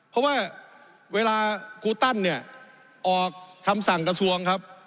เพราะว่าเวลาครูตั้นเนี่ยออกคำสั่งกระทรวงครับ